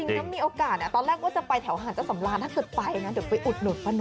ตอนนี้มีโอกาสตอนแรกก็จะไปแถวหาเจ้าสำราญถ้าเกิดไปนะเดี๋ยวไปอุดหนดประโยชน์